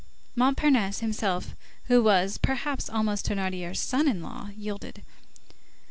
Montparnasse himself, who was, perhaps, almost Thénardier's son in law, yielded.